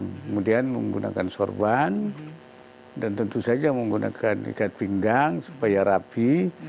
kemudian menggunakan sorban dan tentu saja menggunakan ikat pinggang supaya rapi